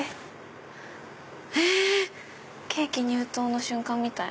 ケーキ入刀の瞬間みたい。